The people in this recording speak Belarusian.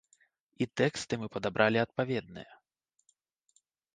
І тэксты мы падабралі адпаведныя.